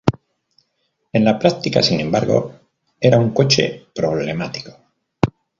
En la práctica, sin embargo, era un coche problemático.